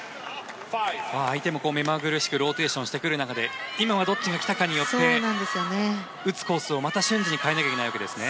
相手もめまぐるしくローテーションしてくる中で今はどっちが来たかによって打つコースを、また瞬時に変えなければいけないわけですね。